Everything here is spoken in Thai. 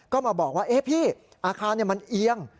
ก็มาบอกว่าพี่อาคารมันเอียง